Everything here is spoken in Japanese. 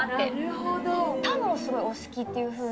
タンもすごいお好きっていうふうに。